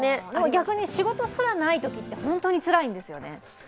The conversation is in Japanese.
逆に仕事すらないときって本当につらいんですよね。